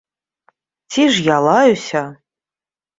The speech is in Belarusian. Ці ж я лаюся?